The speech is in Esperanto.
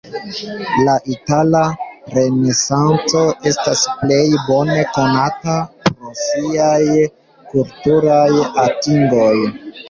La Itala Renesanco estas plej bone konata pro siaj kulturaj atingoj.